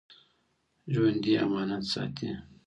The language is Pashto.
ژوندي امانت ساتي